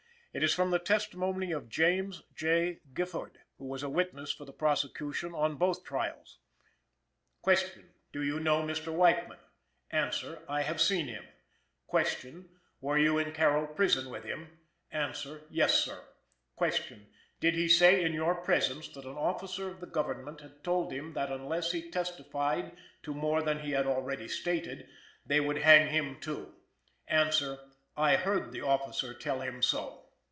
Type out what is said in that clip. It is from the testimony of James J. Gifford, who was a witness for the prosecution on both trials. "Q. Do you know Mr. Weichman? "A. I have seen him. "Q. Were you in Carroll prison with him? "A. Yes, sir. "Q. Did he say in your presence that an officer of the government had told him that unless he testified to more than he had already stated they would hang him too? "A. I heard the officer tell him so."